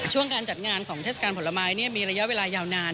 การจัดงานของเทศกาลผลไม้มีระยะเวลายาวนาน